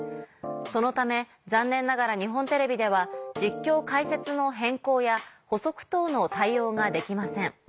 そのため残念ながら日本テレビでは実況解説の変更や補足等の対応ができません。